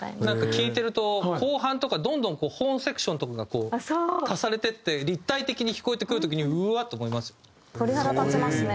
なんか聴いてると後半とかどんどんこうホーンセクションとかがこう足されていって立体的に聴こえてくる時にうわっ！と思いますよ。